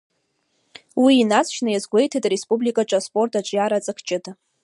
Уи инаҵшьны иазгәеиҭеит ареспубликаҿы аспорт аҿиара аҵак ҷыда.